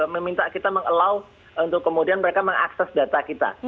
meminta kita meng allow untuk kemudian mereka mengakses data kita